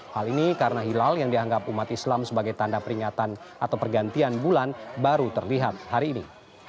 hal ini karena hilal yang dianggap umat islam sebagai tanda peringatan atau pergantian bulan baru terlihat hari ini